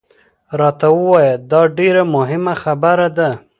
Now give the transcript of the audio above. راته ووایه، دا ډېره مهمه خبره ده.